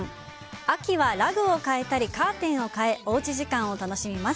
秋はラグを変えたりカーテンを変えおうち時間を楽しみます。